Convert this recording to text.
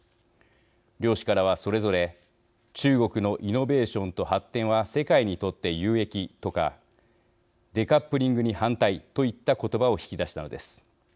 両氏からはそれぞれ中国のイノベーションと発展は世界にとって有益とかデカップリングに反対といった言葉を引き出したのです。